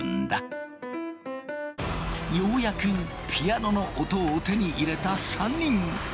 ようやくピアノの音を手に入れた３人。